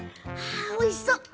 おいしそう！